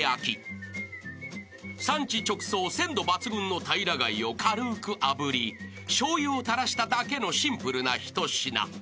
［産地直送鮮度抜群の平貝を軽くあぶりしょうゆを垂らしただけのシンプルな一品］